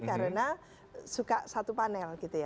karena suka satu panel